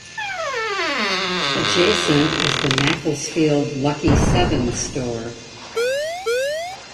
Adjacent is the "Macclesfield Lucky Seven" store.